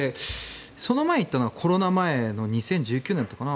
その前に行ったのがコロナ前の２０１９年だったかな。